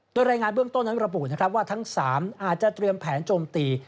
โดยรายงานเบื้องต้นนั้นระบุนะครับว่าทั้ง๓อาจจะเตรียมแผนโจมตี